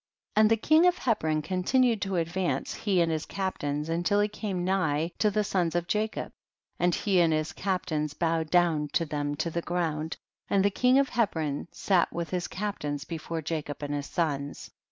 39. And the king of Hebron con tinued to advance, he and his cap tains, until he came nigh to the sons of Jacob, and he and his captains bowed down to them to the ground, and the king of Hebron sat with his captains before Jacob and his sons.